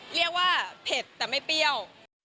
เรียกว่าเผ็ดแต่ไม่เปรี้ยว